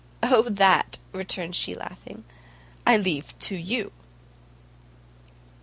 "O, that," returned she, laughing, "I leave to you."